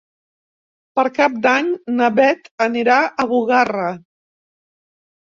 Per Cap d'Any na Beth anirà a Bugarra.